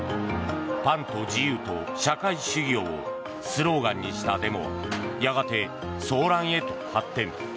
「パンと自由と社会正義を！」をスローガンにしたデモはやがて騒乱へと発展。